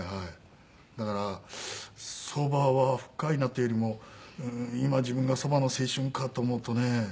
だからそばは深いなというよりも今自分がそばの青春かと思うとね